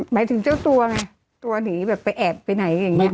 หมายถึงเจ้าตัวไงตัวหนีแบบไปแอบไปไหนเป็นแบบไง